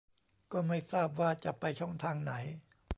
ก็ไม่ทราบว่าจะไปช่องทางไหน